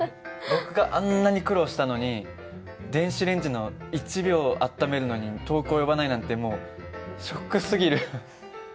僕があんなに苦労したのに電子レンジの１秒温めるのに遠く及ばないなんてもうショックすぎる。